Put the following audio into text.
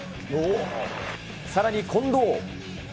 さらに近藤。